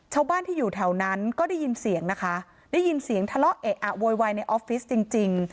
ชาวบ้านที่อยู่แถวนั้นก็ได้ยินเสียงนะคะได้ยินเสียงทะเลาะเอะอะโวยวายในออฟฟิศจริงจริง